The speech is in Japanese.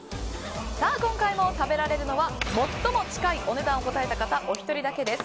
今回も食べられるのは最も近いお値段を答えた方お一人だけです。